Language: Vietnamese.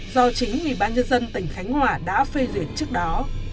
do chính ủy ban nhân dân tỉnh khánh hòa đã phê duyệt trước đó